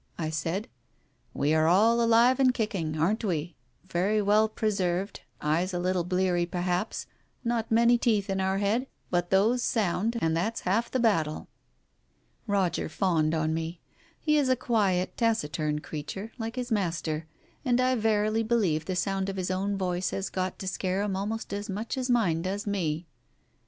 " I said. "We are all alive and kicking, aren't we? Very well pre served, eyes a little bleary perhaps, not many teeth in our head, but those sound, and that's half the battle." Roger fawned on me. He is a quiet, taciturn creature, like his master, and I verily believe the sound of his own voice has got to scare him almost as much as mine does me.